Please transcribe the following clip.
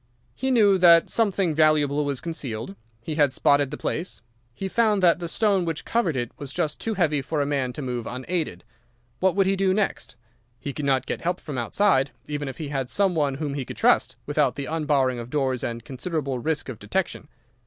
He knew that something valuable was concealed. He had spotted the place. He found that the stone which covered it was just too heavy for a man to move unaided. What would he do next? He could not get help from outside, even if he had some one whom he could trust, without the unbarring of doors and considerable risk of detection.